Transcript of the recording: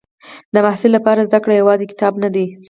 د محصل لپاره زده کړه یوازې کتاب نه ده.